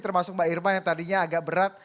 termasuk mbak irma yang tadinya agak berat